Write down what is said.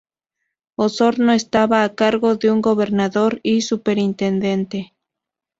Osorno estaba a cargo de un Gobernador y Superintendente.